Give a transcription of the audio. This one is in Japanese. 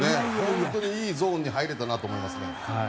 本当にいいゾーンに入れたなと思いますね。